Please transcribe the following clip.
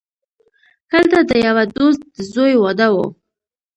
هلته د یوه دوست د زوی واده وو.